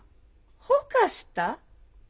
ほかした？